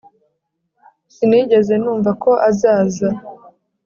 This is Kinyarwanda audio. Sinigeze numva ko azaza